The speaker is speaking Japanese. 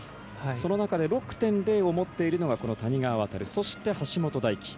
その中で６．０を持っているのがこの谷川航、そして橋本大輝。